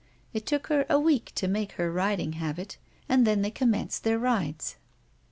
It took her a week to make her riding habit, and then they commenced their rides.